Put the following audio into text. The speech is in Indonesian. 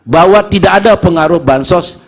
bahwa tidak ada pengaruh bansos